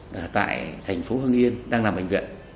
nghĩa là thằng thành